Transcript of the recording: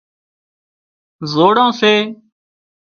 زوڙان سي